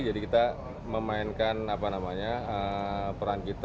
jadi kita memainkan apa namanya peran kita